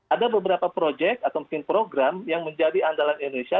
ada beberapa project atau mungkin program yang menjadi andalan indonesia